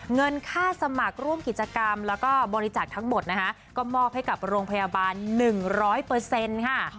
เงินค่าสมัครร่วมกิจกรรมแล้วก็บริจาคทั้งหมดนะคะก็มอบให้กับโรงพยาบาล๑๐๐ค่ะ